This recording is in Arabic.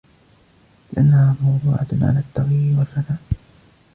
لِأَنَّهَا مَوْضُوعَةٌ عَلَى التَّغْيِيرِ وَالْفَنَاءِ